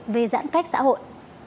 về giãn cách xã hội